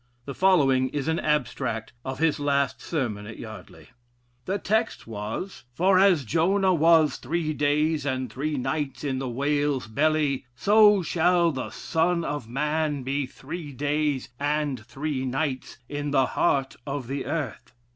The following is an abstract of his last sermon at Yardley: "The text was, 'For as Jonah was three days and three nights in the whale's belly, so shall the son of man be three days and three nights in the heart of the earth.'